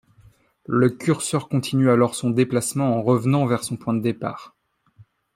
Le curseur continue alors son déplacement en revenant vers son point de départ.